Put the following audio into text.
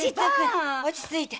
はい落ち着いて。